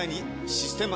「システマ」